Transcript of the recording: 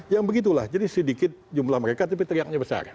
yang begitulah jadi sedikit jumlah mereka tapi teriaknya besar